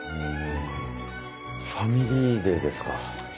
ん「ファミリーデー」ですか。